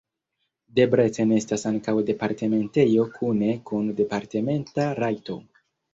Debrecen estas ankaŭ departementejo kune kun departementa rajto.